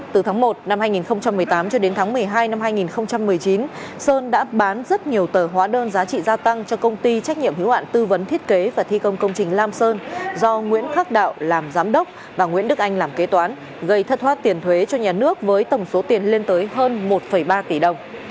từ tháng một năm hai nghìn một mươi tám cho đến tháng một mươi hai năm hai nghìn một mươi chín sơn đã bán rất nhiều tờ hóa đơn giá trị gia tăng cho công ty trách nhiệm hiếu hạn tư vấn thiết kế và thi công công trình lam sơn do nguyễn khắc đạo làm giám đốc và nguyễn đức anh làm kế toán gây thất thoát tiền thuế cho nhà nước với tổng số tiền lên tới hơn một ba tỷ đồng